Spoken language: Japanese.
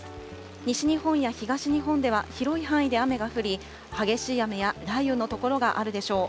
西日本や東日本では、広い範囲で雨が降り、激しい雨や雷雨の所があるでしょう。